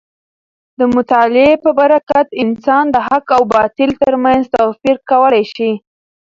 د مطالعې په برکت انسان د حق او باطل تر منځ توپیر کولی شي.